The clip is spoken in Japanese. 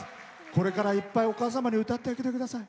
これからいっぱいお母様に歌ってあげてください